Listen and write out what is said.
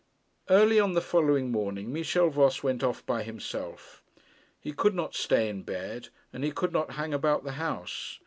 Early on the following morning Michel Voss went off by himself. He could not stay in bed, and he could not hang about the house.